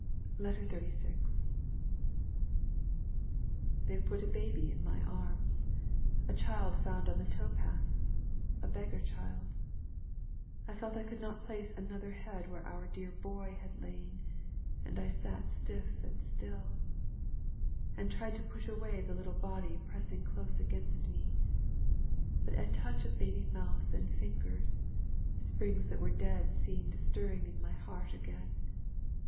36 They have put a baby in my arms, a child found on the tow path, a beggar child. I felt I could not place another head where our dear boy had lain, and I sat stiff and still, and tried to push away the little body pressing close against me; but at touch of baby mouth and fingers, springs that were dead seemed stirring in my heart again.